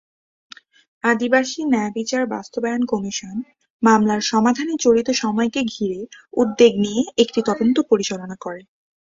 আদিবাসী ন্যায়বিচার বাস্তবায়ন কমিশন মামলার সমাধানে জড়িত সময়কে ঘিরে উদ্বেগ নিয়ে একটি তদন্ত পরিচালনা করে।